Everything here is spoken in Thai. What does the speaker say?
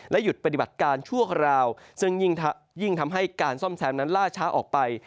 หยุดปฏิบัติการชั่วคราวซึ่งยิ่งทำให้การซ่อมแซมนั้นล่าช้าออกไป